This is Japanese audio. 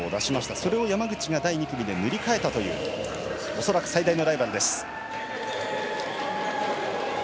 それを山口が第２組で塗り替えたという恐らく最大のライバルです。